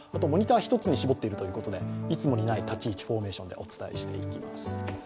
モニター１つに絞っているということでいつもにない立ち位置フォーメーションでお伝えしていきます。